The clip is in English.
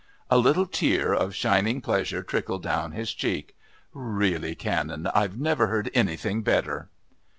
A little tear of shining pleasure trickled down his cheek. "Really, Canon, I've never heard anything better."